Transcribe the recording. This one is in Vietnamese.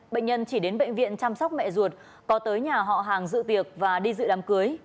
bệnh nhân chỉ đến bệnh viện chăm sóc mẹ ruột có tới nhà họ hàng dự tiệc và đi dự đám cưới